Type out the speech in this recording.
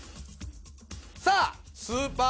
さあスーパー